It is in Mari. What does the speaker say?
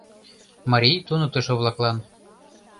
МАРИЙ ТУНЫКТЫШО-ВЛАКЛАН